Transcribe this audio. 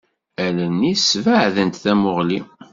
Allen-is sbeɛdent tamuɣli.